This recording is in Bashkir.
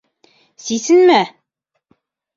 Сисенмә!